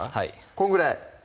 こんぐらい？